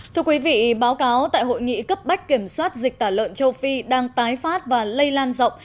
thưa quý vị báo cáo tại hội nghị cấp bách kiểm soát dịch tả lợn châu phi đang tái phát và lây lan rộng